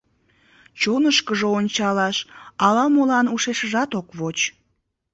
Чонышкыжо ончалаш ала-молан ушешыжат ок воч.